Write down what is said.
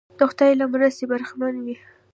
د خدای له مرستې برخمن وي.